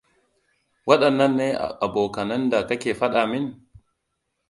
Waɗannan ne abokanan da ka ke faɗa mini?